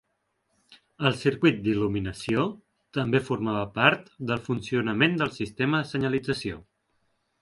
El circuit d'il·luminació també formava part del funcionament del sistema de senyalització.